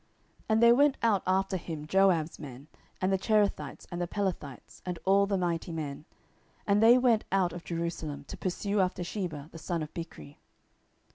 10:020:007 And there went out after him Joab's men, and the Cherethites, and the Pelethites, and all the mighty men: and they went out of Jerusalem, to pursue after Sheba the son of Bichri.